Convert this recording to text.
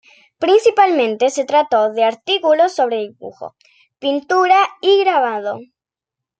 Principalmente se trató de artículos sobre dibujo, pintura y grabado.